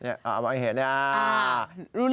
เอามาให้เห็นเนี้ย